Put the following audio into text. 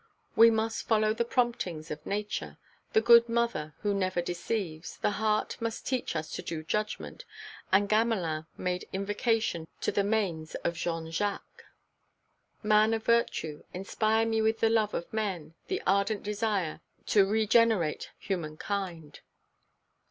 We must follow the promptings of Nature, the good mother who never deceives; the heart must teach us to do judgment, and Gamelin made invocation to the manes of Jean Jacques: "Man of virtue, inspire me with the love of men, the ardent desire to regenerate humankind!"